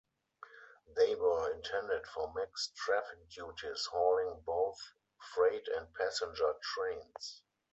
They were intended for mixed traffic duties, hauling both freight and passenger trains.